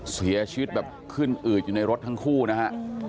เสียชีวิตแบบขึ้นอืดอยู่ในรถทั้งคู่นะฮะ